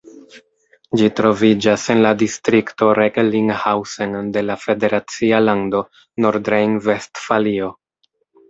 Ĝi troviĝas en la distrikto Recklinghausen de la federacia lando Nordrejn-Vestfalio.